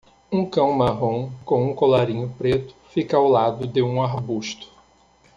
Um cão marrom com um colarinho preto fica ao lado de um arbusto.